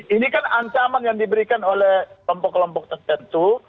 ini kan ancaman yang diberikan oleh kelompok kelompok tertentu